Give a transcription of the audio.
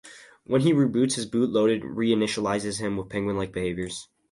When he reboots, his boot loader reinitializes him with penguin-like behaviors.